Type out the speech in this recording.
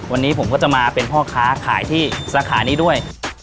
วันนี้ผมก็จะมาเป็นพ่อค้าขายที่สาขานี้ด้วย